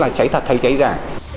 là cháy thật hay cháy dài